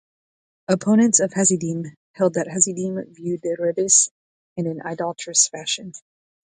Opponents of Hasidim held that Hasidim viewed their rebbes in an idolatrous fashion.